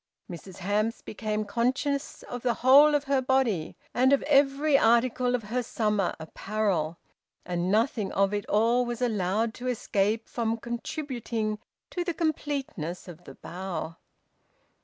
Mrs Hamps became conscious of the whole of her body and of every article of her summer apparel, and nothing of it all was allowed to escape from contributing to the completeness of the bow.